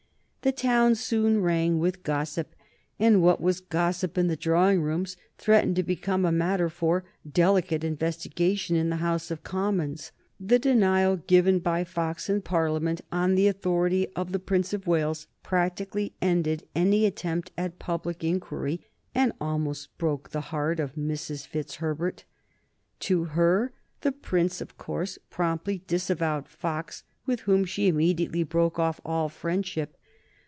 The town soon rang with gossip, and what was gossip in the drawing rooms threatened to become a matter for "delicate investigation" in the House of Commons. The denial given by Fox in Parliament on the authority of the Prince of Wales practically ended any attempt at public inquiry, and almost broke the heart of Mrs. Fitzherbert. To her the Prince of course promptly disavowed Fox, with whom she immediately broke off all friendship.